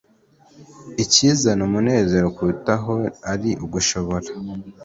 ikizana umunezero kurutaho ari ugushobora